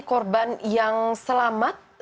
korban yang selamat